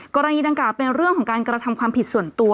กรณีดังกล่าวเป็นเรื่องของการกระทำความผิดส่วนตัว